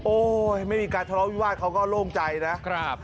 ไม่มีการทะเลาะวิวาสเขาก็โล่งใจนะครับ